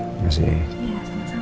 aku sudah berhasil menerima cinta